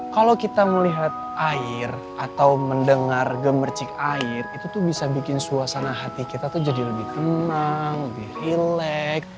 kalau kita melihat air atau mendengar gemercik air itu tuh bisa bikin suasana hati kita tuh jadi lebih tenang lebih rileks